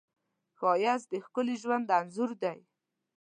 ښایست د ښکلي ژوند انځور دی